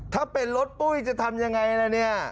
ถ้าเป็นรถปุ้ยจะทำยังไงล่ะเนี่ย